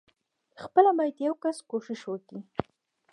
خپله بايد يو کس کوښښ وکي.